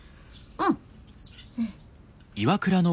うん。